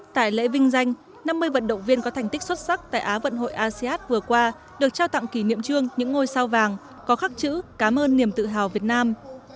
tại lễ vinh danh năm mươi vận động viên có thành tích xuất sắc tại á vận hội asean vừa qua được trao tặng kỷ niệm trương những ngôi sao vàng có khắc chữ cảm ơn niềm tự hào việt nam